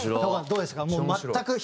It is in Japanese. どうですか？